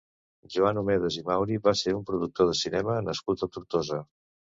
Joan Homedes i Mauri va ser un productor de cinema nascut a Tortosa.